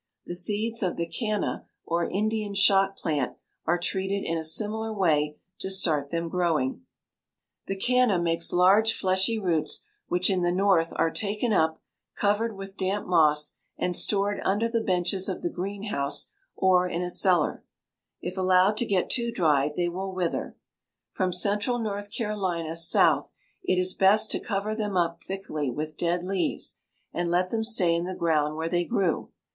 The seeds of the canna, or Indian shot plant, are treated in a similar way to start them growing. [Illustration: FIG. 103. A CYCLAMEN] [Illustration: FIG. 104. A MODERN SWEET PEA] The canna makes large fleshy roots which in the North are taken up, covered with damp moss, and stored under the benches of the greenhouse or in a cellar. If allowed to get too dry, they will wither. From central North Carolina south it is best to cover them up thickly with dead leaves and let them stay in the ground where they grew.